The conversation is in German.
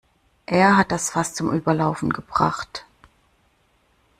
Er hat das Fass zum Überlaufen gebracht.